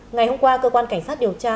ngày hôm qua cơ quan cảnh sát điều tra